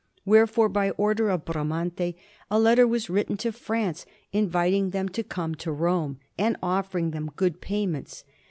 Wherefore, by order of Bramante, a letter was written to France, inviting them to come to Rome, and offering them good payments.